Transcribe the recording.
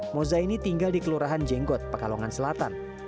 moza ini tinggal di kelurahan jenggot pekalongan selatan